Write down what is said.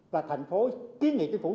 và thành phố ký nghị chính phủ